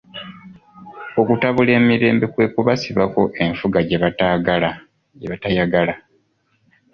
Okutabula emirembe kwe kubasibako enfuga gye batayagala.